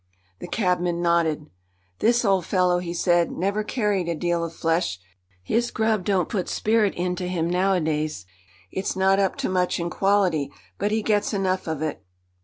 The cabman nodded. "This old fellow," he said, "never carried a deal of flesh. His grub don't put spirit into him nowadays; it's not up to much in quality, but he gets enough of it."